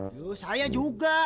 aduh saya juga